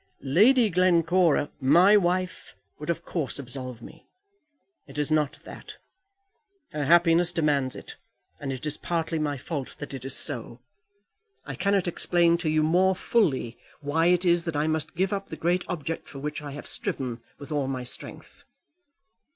Lady Glencora " "My wife would, of course, absolve me. It is not that. Her happiness demands it, and it is partly my fault that it is so. I cannot explain to you more fully why it is that I must give up the great object for which I have striven with all my strength."